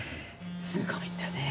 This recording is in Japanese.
すごいんだね。